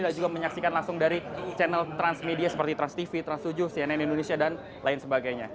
dan juga menyaksikan langsung dari channel transmedia seperti trans tv trans tujuh cnn indonesia dan lain sebagainya